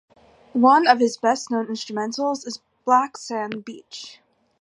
One of his best-known instrumentals is "Black Sand Beach".